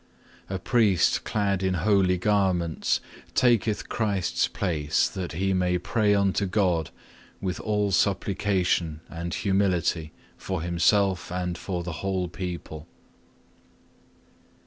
3. A priest clad in holy garments taketh Christ's place that he may pray unto God with all supplication and humility for himself and for the whole people.